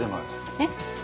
えっ？